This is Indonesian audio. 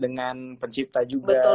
dengan pencipta juga